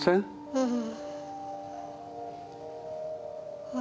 うん。